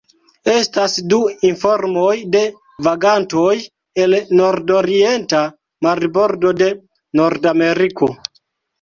Estas du informoj de vagantoj el nordorienta marbordo de Nordameriko.